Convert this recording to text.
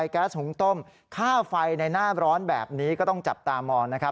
แก๊สหุงต้มค่าไฟในหน้าร้อนแบบนี้ก็ต้องจับตามองนะครับ